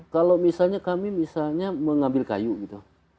kalau misalnya kami misalnya mengambil kayu gitu